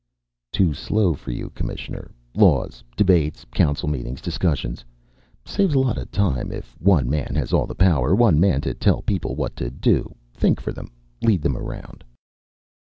"Too slow for you, Commissioner? Laws, debates, council meetings, discussions.... Saves a lot of time if one man has all the power. One man to tell people what to do, think for them, lead them around."